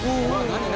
何？